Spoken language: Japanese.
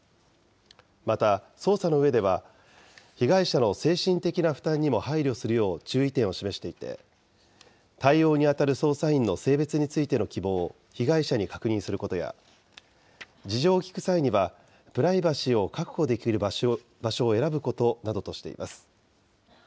また、捜査のうえでは、被害者の精神的な負担にも配慮するよう注意点を示していて、対応に当たる捜査員の性別についての希望を被害者に確認することや、事情を聴く際には、プライバシーを確保できる場所を選ぶことなどとしています。